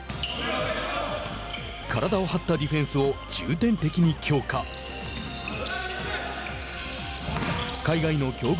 体を張ったディフェンスを重点的に強化。